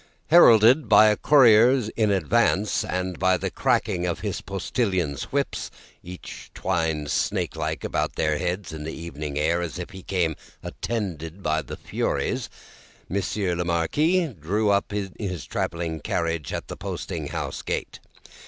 Heralded by a courier in advance, and by the cracking of his postilions' whips, which twined snake like about their heads in the evening air, as if he came attended by the Furies, Monsieur the Marquis drew up in his travelling carriage at the posting house gate.